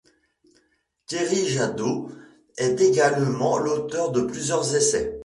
Thierry Jadot est également l’auteur de plusieurs essais.